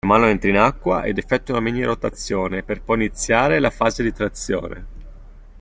La mano entra in acqua ed effettua una mini-rotazione per poi iniziare la fase di trazione.